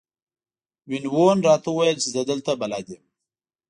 وین وون راته وویل چې زه دلته بلد یم.